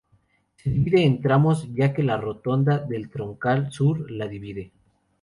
Se divide en tramos ya que la rotonda del Troncal Sur la divide.